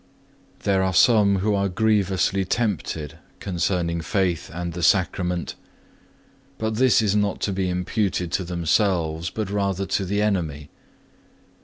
3. There are some who are grievously tempted concerning faith and the Sacrament; but this is not to be imputed to themselves but rather to the enemy.